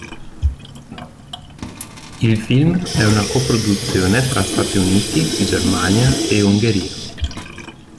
Il film è una co-produzione tra Stati Uniti, Germania e Ungheria.